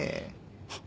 はっ。